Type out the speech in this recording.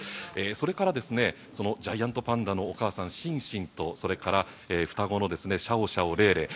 それからジャイアントパンダのお母さんシンシンとそれから双子のシャオシャオ、レイレイ。